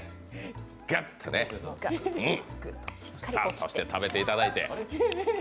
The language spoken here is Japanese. そして食べていただいて。